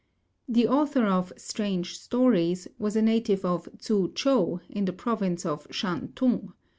The author of "Strange Stories" was a native of Tzu chou, in the province of Shan tung.